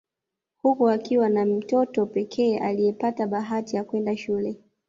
Huku akiwa ni mtoto pekee aliyepata bahati ya kwenda shule